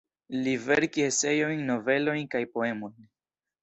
Li verkis eseojn, novelojn kaj poemojn.